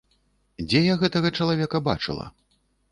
Дзе я гэтага чалавека бачыла?